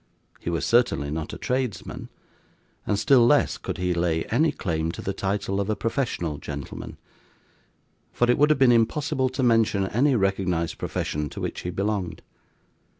He was certainly not a tradesman, and still less could he lay any claim to the title of a professional gentleman; for it would have been impossible to mention any recognised profession to which he belonged.